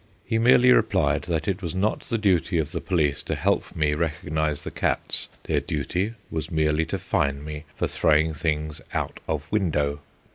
He merely replied that it was not the duty of the police to help me recognise the cats; their duty was merely to fine me for throwing things out of window.